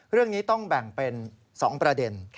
เรื่องนี้ต้องแบ่งเป็น๒ประเด็น